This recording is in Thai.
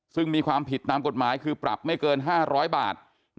ซึ่งมีความผิดตามกฎหมายคือปรับไม่เกิน๕๐๐บาท